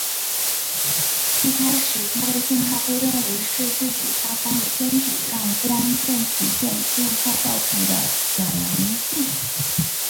一开始它的讯号被认为是自己发光的天体让光变曲线变化造成的假阳性。